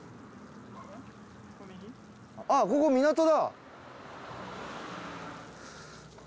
あっここ港だ。